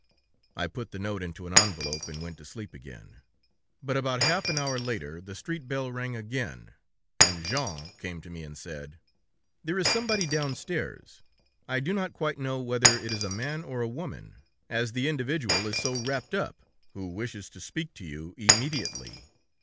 I put the note into an envelope, and went to sleep again, but about half an hour later the street bell rang again, and Jean came to me and said: 'There is somebody downstairs; I do not quite know whether it is a man or a woman, as the individual is so wrapped up, who wishes to speak to you immediately.